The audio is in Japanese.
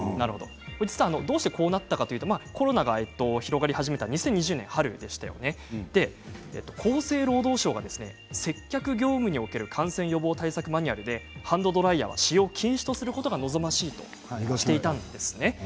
どうなったかといいますとコロナが広がり始めた２０２０年春、厚生労働省は接客業務における感染予防対策マニュアルでハンドドライヤーは使用禁止することが望ましいということがあったんです。